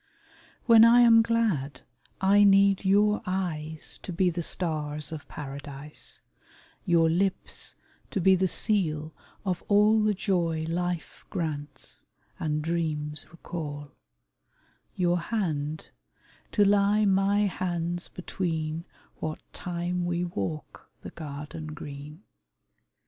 WHEN I am glad I need your eyes To be the stars of Paradise; Your lips to be the seal of all The joy life grants, and dreams recall; Your hand, to lie my hands between What time we walk the garden green.